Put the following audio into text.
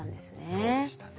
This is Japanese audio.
そうでしたね。